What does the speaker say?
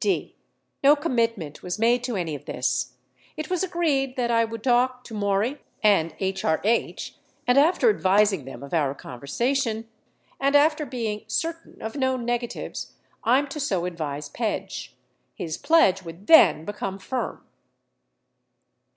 (d) No commitment was made to any of this. It was agreed that I would talk to Maury & HRH and after advising them of our conversation and after being certain of no negatives I'm to so advise Pedge. His pledge would then become firm.